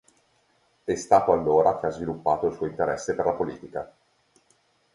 È stato allora che ha sviluppato il suo interesse per la politica.